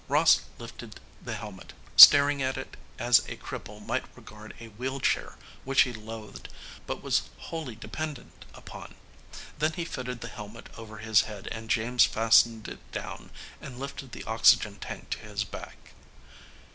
Ross lifted the helmet, staring at it as a cripple might regard a wheelchair which he loathed but was wholly dependent upon. Then he fitted the helmet over his head and James fastened it down and lifted the oxygen tank to his back.